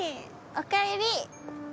おかえり。